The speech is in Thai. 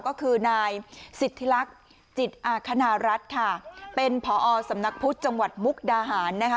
ก็คือนายสิทธิลักษณ์จิตอาคณรัฐค่ะเป็นผอสำนักพุทธจังหวัดมุกดาหารนะคะ